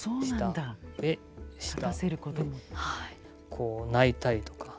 こう泣いたりとか。